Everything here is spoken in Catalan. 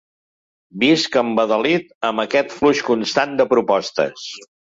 Visc embadalit amb aquest flux constant de propostes.